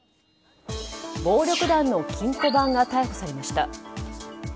暴力団の金庫番が逮捕されました。